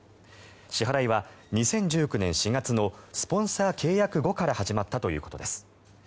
支払いは２０１９年４月のスポンサー契約後から始まったということです。